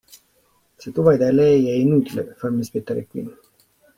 Se tu vai da lei è inutile farmi aspettare qui.